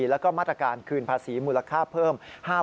แล้วก็มาตรการคืนภาษีมูลค่าเพิ่ม